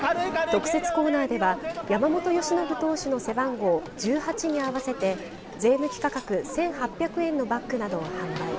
特設コーナーでは山本由伸投手の背番号１８に合わせて税抜き価格１８００円のバッグなどを販売。